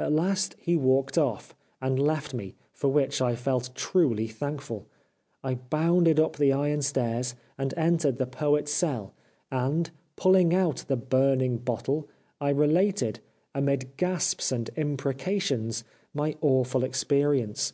At last he walked off, and left me, for which I felt truly thankful. I bounded up the iron stairs, and entered the Poet's cell, and, pulling out the burning bottle, I related, amid gasps and imprecations, my awful experience.